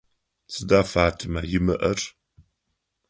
Сыда Фатимэ имыӏэр?